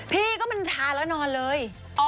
พี่ก็มันทานแล้วนอนเลย